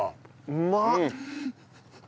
うまっ！